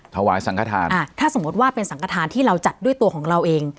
ถวายสังขทานอ่าถ้าสมมุติว่าเป็นสังกฐานที่เราจัดด้วยตัวของเราเอง